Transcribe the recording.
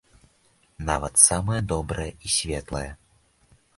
Нават самае добрае і светлае.